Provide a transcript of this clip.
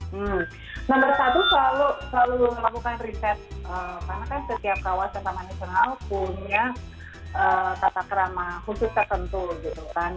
hmm nomor satu selalu melakukan riset karena kan setiap kawasan taman nasional punya tata kerama khusus tertentu gitu kan